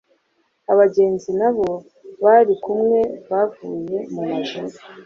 Abagenzi n’abo bari kumwe bavuye mu majune,